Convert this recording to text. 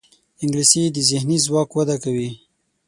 انګلیسي د ذهني ځواک وده کوي